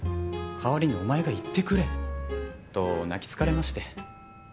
代わりにお前が行ってくれと泣きつかれまして。